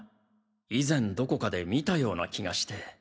以前どこかで見たような気がして。